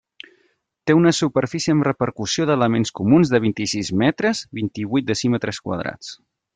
Té una superfície amb repercussió d'elements comuns de vint-i-sis metres, vint-i-vuit decímetres quadrats.